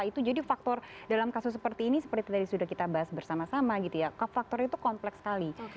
itu jadi faktor dalam kasus seperti ini seperti tadi sudah kita bahas bersama sama gitu ya faktor itu kompleks sekali